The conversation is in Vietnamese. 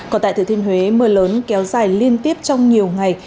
còn tại thời thuyền huế mưa lớn kéo dài liên tiếp trong nhiều ngày